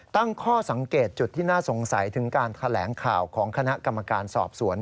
ตั้งข้อสังเกตจุดที่น่าสงสัยถึงการแถลงข่าวของคณะกรรมการสอบสวน